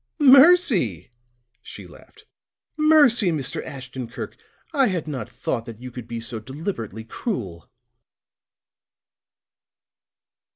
"Mercy!" She laughed. "Mercy, Mr. Ashton Kirk. I had not thought that you could be so deliberately cruel!"